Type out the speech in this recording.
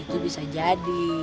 itu bisa jadi